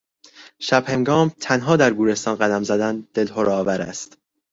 شب هنگام تنها در گورستان قدم زدن دلهره آور است.